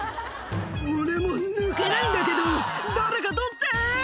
「俺も抜けないんだけど誰か取って！」